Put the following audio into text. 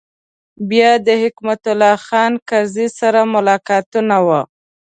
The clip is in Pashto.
بیا د حکمت الله خان کرزي سره ملاقاتونه و.